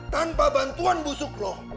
tanpa bantuan busuk lo